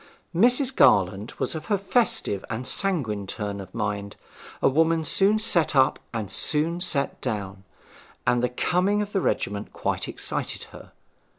Mrs. Garland was of a festive and sanguine turn of mind, a woman soon set up and soon set down, and the coming of the regiments quite excited her.